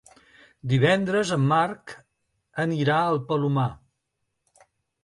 Divendres en Marc anirà al Palomar.